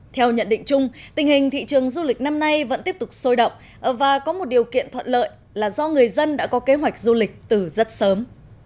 theo nhận định chung tình hình thị trường du lịch năm nay vẫn tiếp tục sôi động và có một điều kiện thuận lợi là do người dân đã có kế hoạch du lịch từ rất sớm